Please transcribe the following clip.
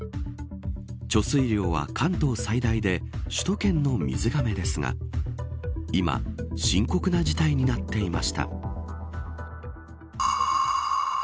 貯水量は関東最大で首都圏の水がめですが今、深刻な事態になっていました。